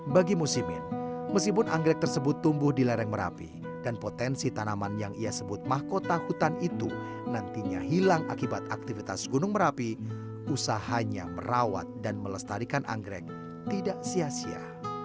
bagi musimin meskipun anggrek tersebut tumbuh di lereng merapi dan potensi tanaman yang ia sebut mahkota hutan itu nantinya hilang akibat aktivitas gunung merapi usahanya merawat dan melestarikan anggrek tidak sia sia